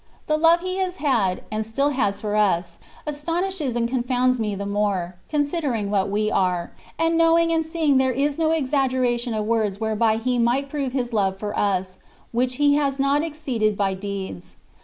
The love He has had, and still has for us, astonishes and confounds me the more, ccmsidering what we are ; and knowing and CONCEPTIONS OF DIVINE LOVE. 229 seeing there is no exaggeration of words whereby He might prove His love for us, which He has not exceeded by deeds.